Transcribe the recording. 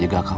mau gak sih